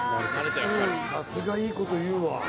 さすが良いこと言うわ。